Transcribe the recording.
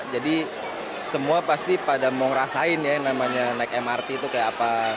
jadi semua pasti pada mau merasakan ya naik mrt itu kayak apa